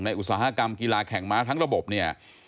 อุตสาหกรรมกีฬาแข่งม้าทั้งระบบเนี่ย